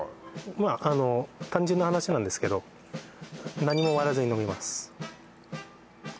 まああの単純な話なんですけど何も割らずに飲みます